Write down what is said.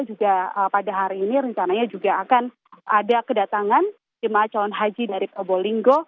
juga pada hari ini rencananya juga akan ada kedatangan jemaah calon haji dari probolinggo